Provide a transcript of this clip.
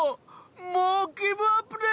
もうギブアップで！